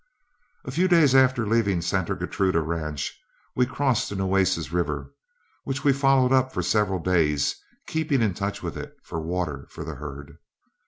A few days after leaving Santa Gertruda Ranch, we crossed the Nueces River, which we followed up for several days, keeping in touch with it for water for the herd.